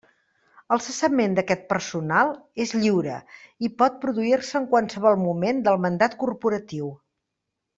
El cessament d'aquest personal és lliure i pot produir-se en qualsevol moment del mandat corporatiu.